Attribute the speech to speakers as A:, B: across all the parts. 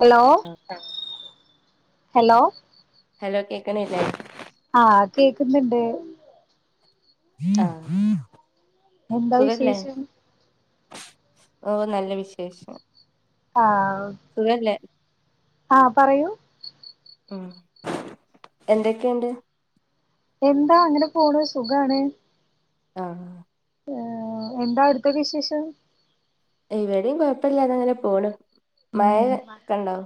A: Hello hello
B: hello കേക്കണില്ലേ
A: ആഹ് കേക്ക്ന്ന്ണ്ട്
B: ആഹ്
A: എന്താ
B: സുഖല്ലേ
A: വിശേഷം
B: ഓ നല്ല വിശേഷം
A: ആഹ്
B: സുഖല്ലേ
A: ആഹ് പറയൂ
B: ഉം എന്തെക്കെയുണ്ട്
A: എന്താ അങ്ങനെ പോണ് സുഖാണ്
B: ആഹ്
A: ഏഹ് എന്താ അവ്ട്ത്തെ വിശേഷം
B: ഇവടിം കാെയപല്ലാതങ്ങനെ പോണ് മഴ ഒക്കെ ഒണ്ടോ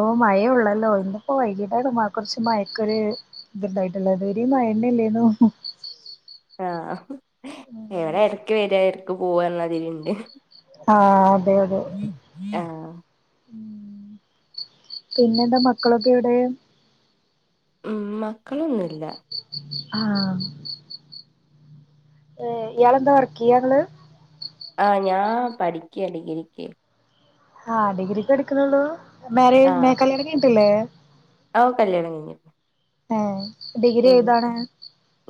A: ഓ മയെ ഒള്ളല്ലോ ഇന്നിപ്പോ വൈകീട്ടാണ് മഴകെറച്ച് മയക്കൊര് ഇത്ണ്ടായിട്ടുള്ള ഇതുവരെ മഴതന്നലാരുന്നോ
B: ആഹ് എവടെ ഇടക്ക് വരിക ഇടക്ക് പോവ എന്നതില്ണ്ട്
A: ആഹ് അതെ അതെ
B: ആഹ്
A: ഉം പിന്നെ എന്താ മക്കളൊക്കെ എവിടെ
B: ഉം മക്കളൊന്നുല്ല
A: ആഹ് ഏഹ് ഇയാളെന്താ വർക്കി യ്യാ ഇങ്ങള്
B: ആ ഞാ പഠിക്ക ഡിഗ്രിക്ക്
A: ആ ഡിഗ്രിക്കടിക്ക്ണൊള്ളൂ [unintelligible] മേ
B: ആഹ്
A: കല്യാണകഴിഞ്ഞിട്ടില്ലെ
B: ഓ കല്യാണകഴിഞ്ഞ്
A: ഏഹ് ഡിഗ്രി ഏതാണ്?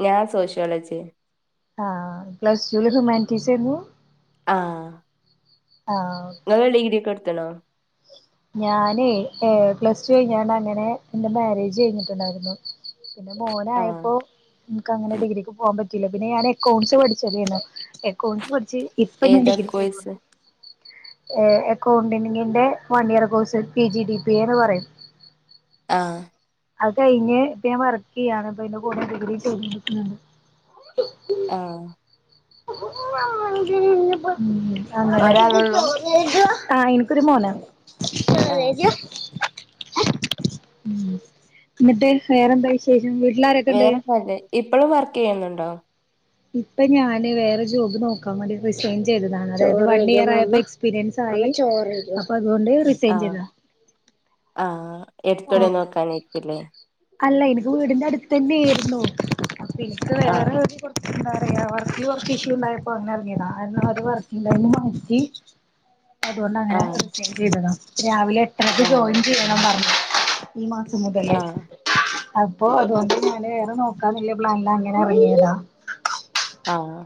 B: ഞാൻ സോഷ്യോളജി.
A: ആഹ് പ്ലസ്റ്റൂല് ഹുമാൻ ടീസെര്ന്നു.
B: ആഹ്
A: ആഹ് ഓക്കെ
B: ങ്ങള് ഡിഗ്രിയൊക്കെട്ത്ത്ണോ?
A: ഞാനേ ഏ പ്ലസ് ടു കയ്ഞ്ഞാണ്ടങ്ങനെ ൻ്റെ മേരേജഴിഞ്ഞിട്ടുണ്ടായിരുന്നു. പിന്നെ
B: ആഹ്
A: മോനായപ്പോ ക്കങ്ങനെ ഡിഗ്രിക്ക് പോം പറ്റില്ല പിന്നെ ഞാന് എക്കൗണ്ട്സ് പഠ്ച്ചതേന്നു എക്കൗണ്ട്സ് പഠ്ച്ച്. ഇപ്പ ഞാ
B: ഏതാ
A: ഡിഗ്രിരി ചെയ്തോണ്ട്
B: കോഴ്സ്
A: ഏഹ് എക്കൗണ്ടിണ്ണിങ്ങിന്റെ one year course P G D P A ന്ന് പറയും.
B: ആഹ്
A: അത് കയ്ഞ് പ്പഞാ വർക്കെയ്യാണ് പ്പഐന്റെ കൂടെ ഡിഗ്രി ചെയ് -
B: ആഹ്.
A: ഉം അങ്ങനെ.
B: ഒരാളൊള്ളൂ
A: ആ ഇൻകൊരു മോനാ
B: ആഹ്
A: ന്നിട്ട് വേറെന്താ വി [unintelligible]
B: വേറെക്കല്ലേ ഇപ്പളും വർക്കെയ്യുന്നുണ്ടോ?
A: ഇപ്പൊ ഞാന് വേറെ ജോബ് നോക്കാവേണ്ടി റിസൈൻ ചെയ്തതാണ് അത് വണ്ണിയിറായപ്പൊ പിരീട്സായി അപ്പൊ അതുകൊണ്ട് റി
B: ആ ആ എടുത്തോടെ
A: ഉം
B: നോക്കാനായിരിക്കുല്ലേ
A: അല്ല ഇൻക്ക് വീടിന്റടുത്തന്നെര്ന്നു അപ്പിൻക്ക്
B: ആഹ്
A: വേറൊരു കൊർ എന്താറ്യ വർക്കികൊർച്ച് ഇഷ്യൂണ്ടായപ്പോ അങ്ങനെർങ്ങ്യതാ ആര്ണ അത് വർക്കിങ്ട്ടൈമ് മാറ്റി- [inaudible] അതുകൊണ്ടങ്ങനെ
B: ആഹ്
A: റിസൈൻ ചെയ്തതാ രാവിലെ എട്ടരക്ക്
B: ആഹ്
A: ജോയിൻചെയ്യണം പർഞ്ഞ്. ഈമാസം മുതല്
B: ആഹ്
A: അപ്പൊ അതോണ്ട് ഞാന് വേറെ നോക്കാന്നില്ല പ്ലാൻലങ്ങനെ എറങ്ങ്യതാ.
B: ആഹ്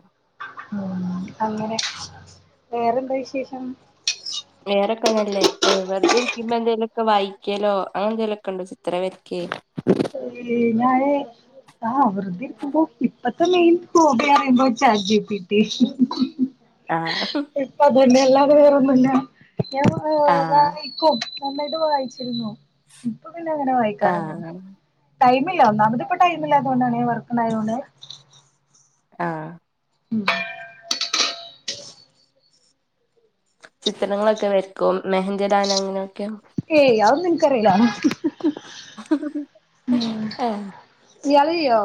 A: മ് അങ്ങനെ വേറെന്തവിശേഷം
B: വേറെക്കെ നല്ല എ വെർതിരിക്കുമ്പ ന്തേലൊക്കെ വായിക്കലൊ അങ്ങനെന്തെലൊക്കെണ്ടോ ചിത്ര വര്ക്കേ.
A: ഉം ഞാന്. ആ വെറുതെരിക്കുമ്പോ ഇപ്പത്തെ മെയിൻ ഹോബിയാണ് [unintelligible]
B: ആഹ്.
A: ഇപ്പത് തന്നെ അല്ലാതെ വേറൊന്നുല്ല.
B: ആഹ്
A: ക്കും നന്നായിട്ട് വായിച്ചിരുന്നു ഇപ്പൊപിന്നെങ്ങനെ വായിക്കാറൊന്നു
B: ആഹ്
A: ടൈമില്ല ഒന്നാമതിപ്പൊടൈമില്ലാതോണ്ടാണ് വർക്ക്ണ്ടായതോണ്ട്
B: ആഹ്
A: ഉം.
B: ചിത്രങ്ങളൊക്കെ വെര്ക്കും മെഹന്തിടാനങ്ങനെയൊക്കെ.
A: ഏയ് അവൊന്നിൻക്കറീലാ ഉം.
B: ആഹ്
A: ഇയാളെയ്യോ?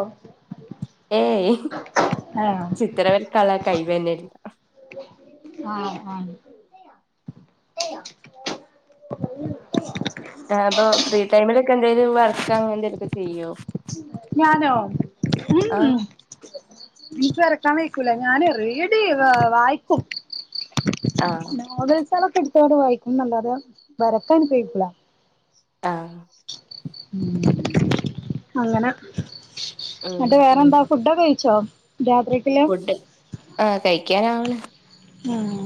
B: ഏയ് ചിത്രവരക്കാള [unintelligible]
A: ആഹ് ആഹ്.
B: ടാബൊ ഫ്രീ ടൈമിലൊക്കെന്തേലും വർക്കങ്ങനെന്തെലൊക്കെ ചെയ്യോ?
A: ഞാനോ ഇം
B: ആഹ്
A: ഇം. ഇൻക്ക് വരക്കാവൈക്കൂല ഞാൻ റീഡെയ്യും വായിക്കും
B: ആഹ്
A: നോവൽസേളൊക്കെ എടുത്തോടെ വായിക്കുംല്ലാതെ വരക്കാനുപയോഗിക്കൂല്ല
B: ആഹ്
A: ഉം അങ്ങനെ
B: ഉം
A: എന്നിട്ട് വേറെന്താ ഫുഡോക്കെ കഴിച്ചോ രാത്രിക്ക്ല്ലേ
B: ആഹ് കഴിക്കാനാവണ്
A: ആഹ്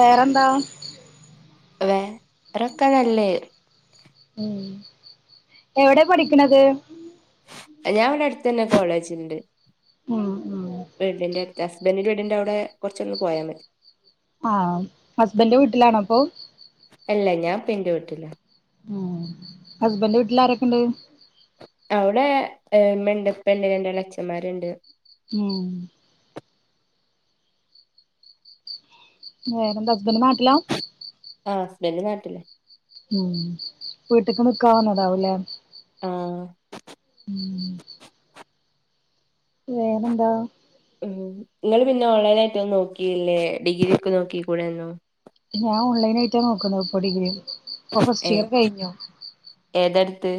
A: വേറെന്താ
B: വേ [unintelligible] നല്ലെ.
A: ഉം എവിടെ പഠിക്കണത്
B: ഞാൻ ഇവിടെ അടുത്തന്നെ കോളേജുണ്ട്
A: ഉം ഉ
B: പെണ്ണിന്റെ ഹസ്ബൻറിന്റെ വീടിന്റെ അവിടെ കുറച്ചങ്ങ്പോയാ മതി
A: ആഹ് ഹസ്ബൻഡന്റെ വീട്ടിലാണ പ്പൊ
B: അല്ല ഞാൻ പിന്റെ വീട്ടിലാ
A: ഉ ഹസ്ബൻഡന്റെ വീട്ടിൽ ആരൊക്കെ ഉണ്ട്
B: അവിടെ ഉമ്മ ണ്ട് ഉപ്പണ്ട് രണ്ട് ഇളെച്ചന്മാരുണ്ട്
A: ഉം വേറെ എന്താ ഹസ്ബന്റ് നാട്ടിലാ
B: ആ ഹസ്ബൻറ് നാട്ടിലാ
A: ഉം വീട്ടിക്ക് നിക്കാവന്നതാവൂലേ
B: ആ
A: വേറെ എന്താ
B: ഉ നിങ്ങള്ൾ പിന്നെ ഓൺലൈൻ ആയിട്ട് ഒന്നും നോക്കില്ലേ ഡിഗ്രി ഒക്കെ നോക്കി കൂടെന്നോ
A: ഞാൻ ഓൺലൈനായിട്ടാ നോക്കുന്നത് ഇപ്പോ ഡിഗ്രി ഇപ്പൊ ഫസ്റ്റ് ഇയർ കഴിഞ്ഞു
B: ഏതാടുത്ത്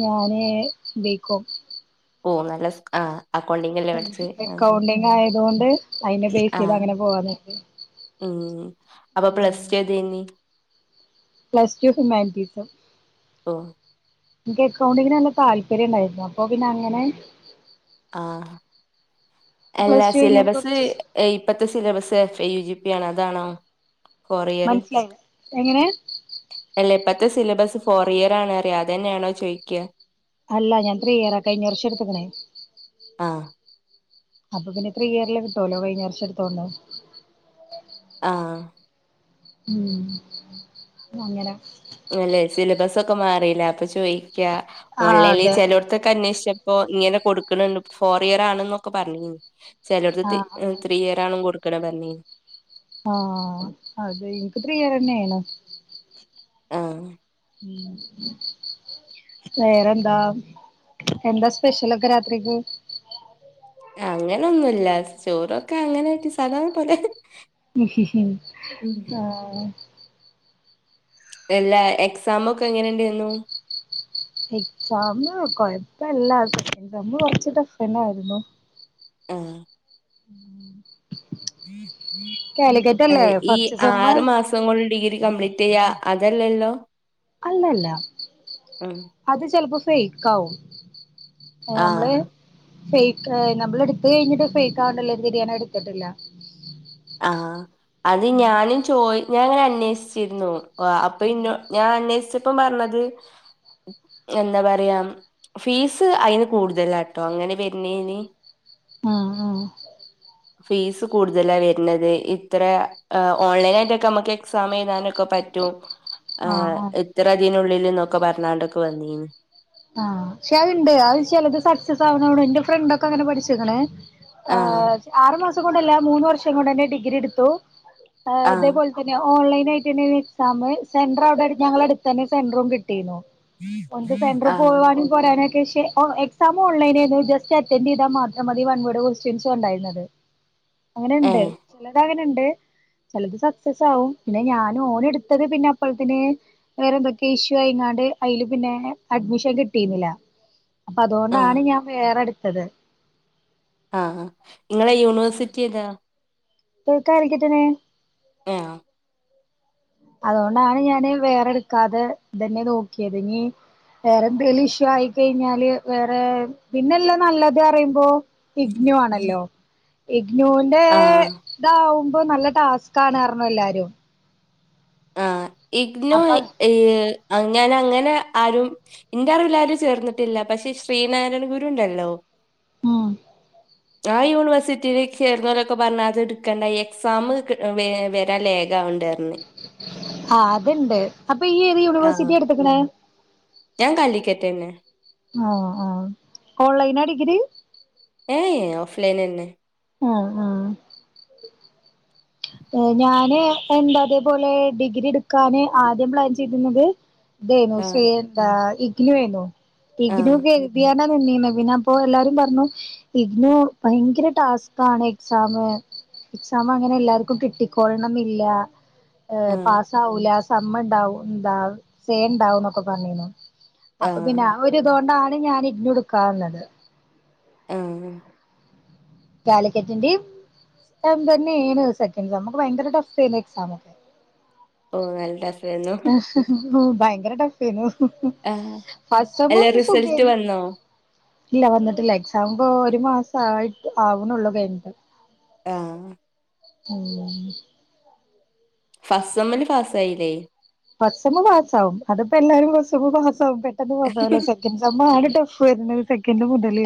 A: ഞാനെ ബിക്കോം
B: ഓ നല്ല സ് ആ അക്കൗണ്ടിങ് അല്ലേ പഠിച്ചേ
A: എക്കൗണ്ടിങ് ആയതൊണ്ട് അയിനെ
B: ആ
A: ബേസിത് അങ്ങനെ പോവാന്ന് കരുതി
B: ഉം അപ്പൊ പ്ലസ്ടു ഏതേ നി
A: പ്ലസ് ടു ഹ്യൂമാനിറ്റീസം
B: ഓ
A: എനിക്ക് അക്കൗണ്ടിങ്ങിന നല്ല താല്പര്യം ഉണ്ടായിരുന്നു അപ്പൊ പിന്നെ അങ്ങനെ
B: ആഹ് എല്ലാ
A: പ്ലസ് ടു കഴിഞ്ഞാൽ
B: സിലബസ്
A: കുറച്ച്
B: ഏ ഇപ്പഴത്തെ syllabus F A U G P ആണ് അതാണോ കൊറിയര്
A: മനസ്സിലായത് എങ്ങനെ
B: അല്ലേ ഇപ്പഴത്തെ സിലബസ് ഫോർ ഇയർ ആണഅറിയ അത്തന്നെയാണോ ചോദിക്കുക
A: അല്ല ഞാൻ ത്രീ ഇയറാ കഴിഞ്ഞർഷം എട്ത്ത്ക്കണേ
B: ആഹ്
A: അപ്പൊ പിന്നെ ത്രീ ഇയറില്ല് കിട്ടുമല്ലോ കഴിഞ്ഞ വർഷംഎടുത്തോണ്ട്
B: ആഹ്
A: ഉം അങ്ങരാ
B: അല്ലെ സിലബസ്ഒക്കെ മാറിയില്ലേഅപ്പൊ ചോദിക്ക
A: ആഹ്
B: ഓൺലൈനിൽ
A: അതെ അതെ
B: ചിലോടത്തൊ ക്ക അന്വേഷിച്ചപ്പോ ഇങ്ങനെ കൊടുക്കണണ്ട് ഫോർ ഇയർ ആണൊക്കെ പറഞ്ഞ കഴിഞ് ചെലടത്ത്
A: ആഹ്
B: ത്രീ ഇയർ ആണും കൊടുക്കണേ പറഞ്ഞ
A: ആഹ്അതെ ഇനക്ക് ത്രീയിയർന്നെയ ആയിരുന്നു
B: [unintelligible]
A: ഉ വേറെന്താ എന്താ സ്പെഷ്യലൊക്കെ രാത്രിക്ക്
B: അങ്ങനൊന്നുല്ല ചോറൊക്ക അങ്ങനെ വക്കും സാധാ പോലെ
A: ഹി ഹി
B: ഉം.
A: ആഹ്
B: എല്ലാ എക്സാമക്കെ എങ്ങനെ ഉണ്ടായിരുന്നു
A: ഉ [inaudible] എക്സാം കൊഴപ്പല്ല സെക്കന്റ് സെമ കൊറച്ച് ടഫ്തന്നെയായിരുന്നു
B: ആഹ്
A: കാലിക്കറ്റ് അല്ലേ ഫസ്റ്റ് സമ്മ്
B: ഇപ്പ മ്മള് ഡിഗ്രി കംപ്ലീറ്റ് ചെയ്യാ അതല്ലല്ലോ
A: അല്ലല്ല
B: ഉം
A: അത് ചെലപ്പോ ഫെയ്ക്കാവും
B: ആഹ്
A: നമ്മള് ഫേക്ക് നമ്മള് എട്ത്ത് കഴിഞ്ഞിട്ട് ഫേക്ക് ആവണ്ടല്ലോന്ന് കര്തി ഞാനത്എടുത്തിട്ടില്ല
B: ആഹ് അത് ഞാനും ചോയ് ഞാന്ങ്ങനെ അന്വേഷിച്ചിരുന്നു ഓ അപ്പൊ ഇന്നോ ഞാൻ അന്വേഷിച്ചപ്പം പറഞ്ഞത് എന്താ പറയാ ഫീസ് അയിന് കൂടുതലാട്ടോ അങ്ങനെ വര് നേന്
A: ആഹ് ആഹ്
B: ഫീസ് കൂടുതലാ വേ എന്നത് ഇത്ര ഓൺലൈനാ യിട്ടൊക്കെ നമ്മക്ക് എക്സാമ് എഴ്താനെക്കെ പറ്റും ആ
A: ആഹ് ആഹ്
B: ഇത്ര ഇതിനുള്ളിൽന്നൊക്കെ പർഞ്ഞാണ്ട് ഒക്കെ വന്നീനി
A: ആഹ് പക്ഷേ അഅ്ണ്ട് അഅ് ചെലത് സക്സസ് ആവണോട് എന്റെ ഫ്രണ്ട് ഒക്കെ അങ്ങനെ പഠിച്ചിക്ക്ണ്‌ ആഹ് ആറു മാസം കൊണ്ടല്ല മൂന്ന് വർഷം കൊണ്ട്ന്നെ ഡിഗ്രി എടുത്തു
B: ആഹ്
A: ഇതേപോലെ പിന്നെ ഓൺലൈൻ ആയിട്ട് തന്നെനി എക്സാം സെന്റർ അവിടെ ഞങ്ങള അടുത്തന്നെ സെന്ററും കിട്ടിര്ന്നു [unintelligible] സെൻട്രറും
B: ആഹ്
A: പോരാനൊക്കെ ക്ഷേ എക്സാം ഓൺലൈനേന്നു ജസ്റ്റ് അറ്റൻഡ് ചെയ്താ മാത്രം മതി വൺ വേഡ് ക്വസ്റ്റ്യൻസ് ഉണ്ടയിരുന്നത് അങ്ങനണ്ട്
B: ഏഹ്
A: ചിലത് അങ്ങനണ്ട് ചിലത് സക്സസ് ആവും പിന്നെ ഞാൻ ഓന് ഇട്ത്തത് പിന്നെ അപ്പഴത്തിന് വേറെ എന്തൊക്കെ ഇഷ്യൂ ആയിങ്ങാണ്ട് അയില് പിന്നെ അഡ്മിഷ ൻക്ക് കിട്ടിയിര്ന്നില്ല അപ്പൊ
B: ആഹ്
A: അതുകൊണ്ടാണ് ഞാൻ വേറെട്ത്തത്
B: ആഹ് ആ നിങ്ങളെ യൂണിവേഴ്സിറ്റി എതാ
A: [unintelligible] ക്കിട്ടനെ
B: ഏ
A: അതുകൊണ്ടാണ് ഞാന് വേറെടുക്കാതെ ഇതന്നെ നോക്കിയത് ഇനി വേറെന്തേലും ഇഷ്യൂ ആയി കഴിഞ്ഞാല് വേറെ പിന്നെല്ലാ നല്ലത് അറിയുമ്പോ ഇഗ്നു ആണല്ലോ ഇഗ്നു
B: ആഹ്
A: താവുമ്പോ നല്ല ടാസ്ക് ആണ് പറ്ഞ്ഞ് എല്ലാരും
B: ആ ഇഗ്നു
A: അപ്പൊ
B: ഈ അങ്ങനെ അങ്ങനെ ആരും ഇന്റെ അറിവ് ലാരും ചേർന്നിട്ടില്ല പക്ഷെ ശ്രീനാരായണ ഗുരു ഉണ്ടല്ലോ
A: മ്
B: ആ യൂണിവേഴ്സിറ്റിയില് ചേർന്നലൊക്കെ പറഞ്ഞ് അത്ട്ക്കണ്ടാ എക്സാം വരാ ലേ രാവുണ്ടേര്ന്ന്
A: ആ അത്ണ്ട് അപ്പൊ ഈ ഏത്
B: ആഹ്
A: യൂണിവേഴ്സിറ്റി എടുത്ത്ക്കണേ
B: ഞാൻ കാലിക്കറ്റന്നെ
A: ആഹ് ആഹ് ഓൺലൈനാ ഡിഗ്രി
B: ഏഅേ ഓഫ് ലൈനന്നെ
A: ആഹ് ആഹ് ഞാന് എന്താ തേ പോലെ ഡിഗ്രി ട്ക്കാന് ആദ്യം പ്ലാൻ ചെയ്തിന്നത് തേനു സേ
B: ആഹ്
A: എന്താ ഇഗ്നു ഏനു
B: ആഹ്
A: ഇഗ്നുക്കൊഴ്തിയാ [unintelligible] പിന്നെ അപ്പോ എല്ലാരും പറ്ഞ്ഞു ഇന്നു ഭയങ്കര ടാസ്ക് ആണ് എക്സാം എക്സാം അങ്ങനെ എല്ലാർക്കും ക്കും കിട്ടിക്കോൾ ണ്ണം ന്ന് ഇല്ല
B: ആഹ്
A: പാസാവൂല സമ്മ് ഇണ്ടാവും ന്താ സേണ്ടാവുംന്നൊക്കെ പറഞ്ഞിനു അപ്പൊ പിന്നെ
B: ആഹ്
A: ആ ഒര് ഇതോണ്ടാണ് ഞാൻ ഇഗ്നു ഇട്ക്കാന്നത്
B: ആഹ്
A: കാലിക്കറ്റിന്റിം അതന്നെയാണ് സെക്കന്റ് സമ്മൊക്കൊ ഭയങ്കര ടഫേയിരുന്നു എക്സാമക്കെ
B: ഓ നല്ല. ടഫായിരുന്നു
A: ഓ ഭയങ്കര ടെഫ് [inaudible]
B: ആഹ് അല്ല റിസൾട്ട് വന്നോ
A: ഇല്ല വന്നിട്ടില്ല. എക്സാപൊ ഒരു മാസയിട്ട് ആവ്ണൊള്ളൂ
B: ആഹ
A: [unintelligible]
B: ഫസ്സമ്മൽ പാസായില്ലേ?
A: ഫസ്സമ്മ ഫാസാവും അതിപ്പോ എല്ലാരും ഫാസാവും പെട്ടെന്ന്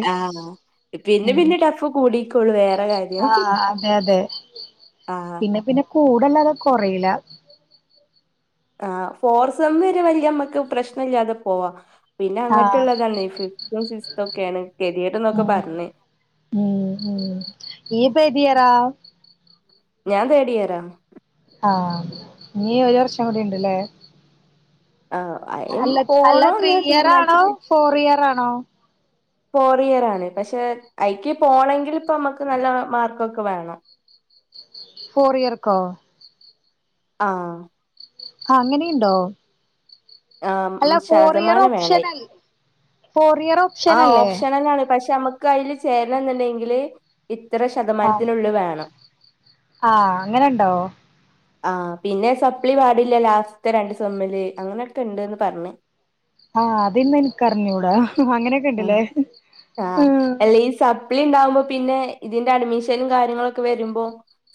B: ആഹ് പിന്നെ
A: [unintelligible]
B: പിന്നെ ടഫ് കൂടിക്കോളൂ വേറെ
A: [unintelligible] ആഹ
B: കാര്യം
A: അതെ അതെ.
B: ആഹ്
A: പിന്നെ പിന്നെ കൂടല്ലാതെ കൊറീല.
B: ആഹ്, ഫോർസം വരെ വലിയ നമ്മക്ക് പ്രശ്ന ഇല്ലാതെ പോവാ. പിന്നെ
A: ആ
B: അങ്ങട്ടുള്ളതാണെ ഈ ഫിഫ്ത്തും സിക്സ്ത്തു ഒക്കെയാണ്. കെതേട്ന്നൊക്കെ
A: ഉം
B: പറഞ്ഞത്.
A: ഉം. ഉം. ഈഇപ്പം ഏതിയറാ?
B: ഞാൻ തേടിയറാ
A: ആഹ നീ ഒരു വർഷം കൂടി ഉണ്ട്ല്ലേ?
B: ആഹ് അയിനും
A: അല്ല അല്ല ത്രീ
B: പോണോന്ന്
A: ഇയർ ആണോ,
B: തീരുമാനിച്ചിട്ട്
A: ഫോർ ഇയർ ആണോ?
B: ഫോറിയറാണ്. പക്ഷെ ഐക്ക് പോണങ്കിൽ ഇപ്പ നമ്മക്ക് നല്ല മാർക്കൊക്കെ വേണം.
A: ഫോറിയർക്കോ?
B: ആഹ്
A: ആഹ അങ്ങനീംണ്ടോ? അല്ല
B: ആഹ്
A: ഫോറിയറും
B: ശതമാനം വേണം
A: ഓപ്ഷനൽ ഫോറിയറും.
B: ആ ഓപ്ഷൻ തന്നെയാണ്. പക്ഷെ നമ്മുക്ക് അയിൽ ചേരാനിന്ടെങ്കിൽ. ഇത്ര
A: ആഹ്
B: ശതമാനത്തിനുള്ളിൽ വേണം.
A: ആഹ്, അങ്ങനെണ്ടോ?
B: ആഹ പിന്നെ സപ്ലി പാടില്ല ലാസ്റ്റ് രണ്ട് സമ്മില്. അങ്ങനെയൊക്കെ ഇണ്ട്ന്ന് പറഞ്ഞ്.
A: ആഹ്, അതിന്നേ ഇനിക്കറിഞ്ഞൂടാ അങ്ങനെ.
B: ആഹ ആഹ അല്ല ഈ സ പ്പളീം ഇണ്ടാകുംബ പിന്നെ ഇതിന്റെ അഡ്മിഷനും കാര്യങ്ങളൊക്കെ വരുമ്പോ.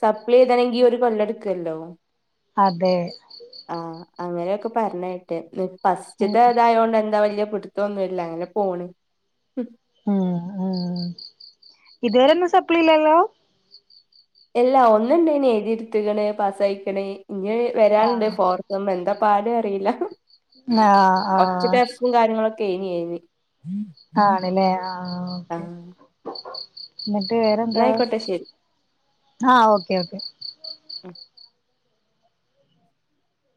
B: സപ്ലൈ എയ്തണെങ്കിൽ ഒരു കൊല്ലടുക്കല്ലോ?
A: അതെ.
B: ആഹ്, അങ്ങനെയൊക്കെ പറഞ്ഞെട്ട്
A: ഉം
B: ഫസ്റ്റിത്തെതായോണ്ട് എന്താ വല്ല്യ ന്നുല്ല അങ്ങനെ പോണ്.
A: അഹ് ആ ഇതുവരെന്നും സപ്ലില്ലല്ലോ?
B: ഇല്ലാ ഒന്നുണ്ടയ്നി എഴുതി ഇട്ത്ക്ണ്. പാസ്സായിക്ണ്. ഇഞ്ഞ് വരാണ്ട്
A: ആഹ്
B: ഫോർ. നമ്മ എന്താ പാട്അറീല്ല.
A: ആഹ ആഹ
B: കാര്യങ്ങളൊക്കെ [unintelligible]
A: ആണ്ല്ലേ ആഹ, ഓക്കെ
B: ആഹ്
A: ഇന്നിട്ട്
B: ന്നാ
A: വേറെന്താ?
B: ആയിക്കോട്ടെ ശരി
A: ആഹ, ഓക്കേ, ഓക്കെ,